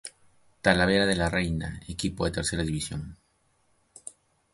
Talavera de la Reina, equipo de Tercera División.